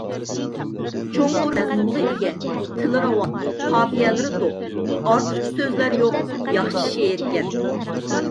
چوڭقۇر مەزمۇنغا ئىگە، تىلى راۋان، قاپىيەلىرى توق، ئارتۇقچە سۆزلەر يوق ياخشى شېئىركەن.